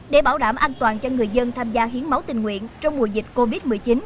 để bảo đảm an toàn cho người dân tham gia hiến máu tình nguyện trong mùa dịch covid một mươi chín